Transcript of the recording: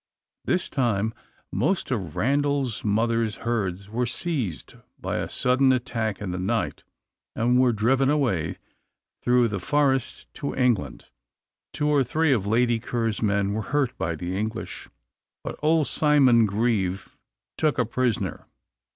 This time most of Randal's mother's herds were seized, by a sudden attack in the night, and were driven away through the Forest to England. Two or three of Lady Ker's men were hurt by the English, but old Simon Grieve took a prisoner.